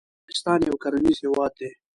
افغانستان یو کرنیز هیواد دی